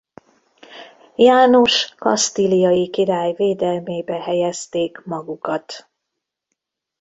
János kasztíliai király védelmébe helyezték magukat.